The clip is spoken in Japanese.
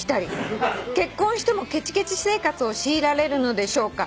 「結婚してもケチケチ生活を強いられるのでしょうか」